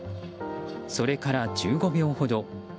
それから１５秒ほど。